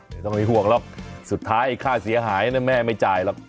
ไม่ต้องไปห่วงหรอกสุดท้ายไอ้ค่าเสียหายนะแม่ไม่จ่ายหรอก